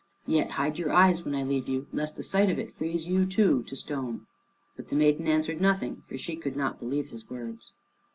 Yet hide your eyes when I leave you, lest the sight of it freeze you too to stone." But the maiden answered nothing, for she could not believe his words.